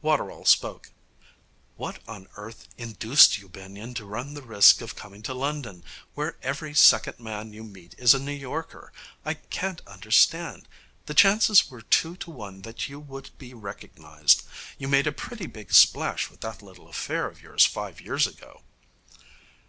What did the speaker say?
Waterall spoke. 'What on earth induced you, Benyon, to run the risk of coming to London, where every second man you meet is a New Yorker, I can't understand. The chances were two to one that you would be recognized. You made a pretty big splash with that little affair of yours five years ago.'